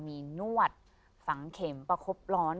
มีนวดฝังเข็มประคบร้อน